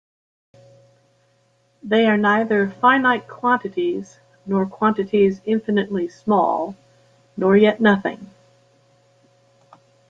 They are neither finite Quantities nor Quantities infinitely small, nor yet nothing.